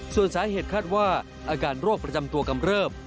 ส่วนสาเหตุคาดว่าอาการโรคประจำตัวกำเริบ